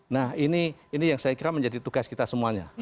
nah ini yang saya kira menjadi tugas kita semuanya